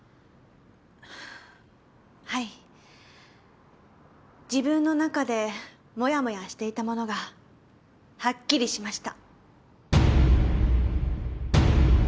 はぁはい自分の中でモヤモヤしていたものがはっきりしました。